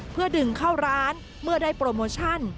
เพื่อดึงเข้าร้านเมื่อได้โปรโมชั่น